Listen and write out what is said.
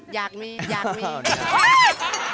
อยากมีอยากมี